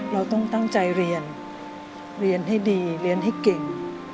เราต้องตั้งใจเรียนเรียนให้ดีเรียนให้เก่ง